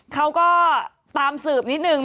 เขาก็ตามสืบนิดนึง